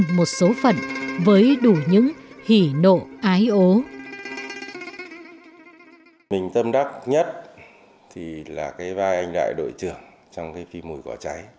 nên một số phần với đủ những hỉ nộ ái ố